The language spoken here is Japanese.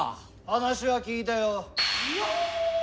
話は聞いたよ。